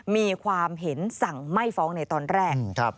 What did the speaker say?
มีความเห็นสั่งไม่ฟ้องในตอนแรก